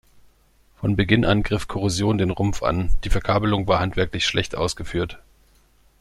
Von Beginn an griff Korrosion den Rumpf an, die Verkabelung war handwerklich schlecht ausgeführt.